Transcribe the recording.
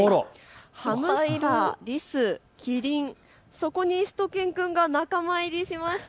ハムスター、リス、キリン、そこにしゅと犬くんが仲間入りしました。